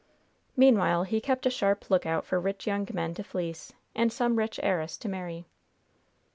Meanwhile he kept a sharp lookout for rich young men to fleece and some rich heiress to marry.